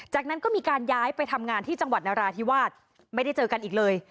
จากนั้นก็มีการย้ายไปทำงานที่จังหวัดนราธิวาสไม่ได้เจอกันอีกเลย